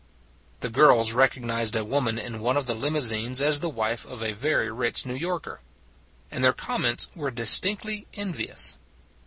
The girls recognized a woman in one of the limousines as the wife of a very rich New Yorker; and their comments were dis tinctly envious.